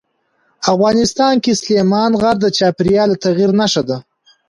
افغانستان کې سلیمان غر د چاپېریال د تغیر نښه ده.